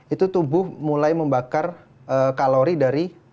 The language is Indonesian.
itu tubuh mulai membakar kalori dari